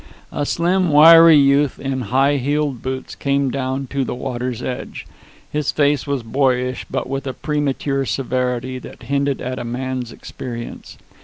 A slim, wiry youth in high heeled boots came down to the water's edge. His face was boyish, but with a premature severity that hinted at a man's experience.